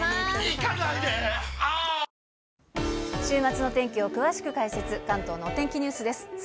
週末の天気を詳しく解説、関東のお天気ニュースです。